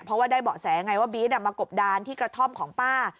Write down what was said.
เพราะว่าได้เบาะแสไงว่าบี๊ดมากบดานที่กระท่อมของป้า